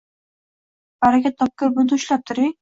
Baraka toping, buni ushlab turing